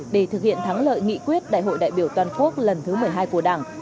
để thực hiện thắng lợi nghị quyết đại hội đại biểu toàn quốc lần thứ một mươi hai của đảng